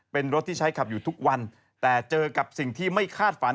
เป็นรถที่ใช้ขับอยู่ทุกวันแต่เจอกับสิ่งที่ไม่คาดฝัน